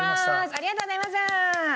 ありがとうございます！